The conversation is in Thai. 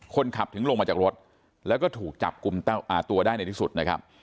คนขับถึงลงมาจากรถแล้วก็ถูกจับกลุ่มตัวได้ในที่สุดนะครับ